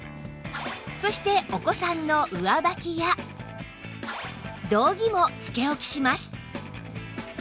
そしてお子さんの上履きや道着もつけ置きします